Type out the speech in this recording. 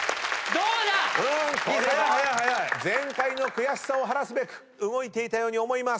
どうだ⁉前回の悔しさを晴らすべく動いていたように思います。